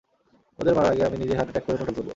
ওদের মারার আগে আমি নিজেই হার্ট অ্যাটাক করে পটল তুলবো।